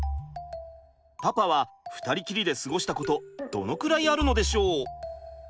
パパは２人きりで過ごしたことどのくらいあるのでしょう？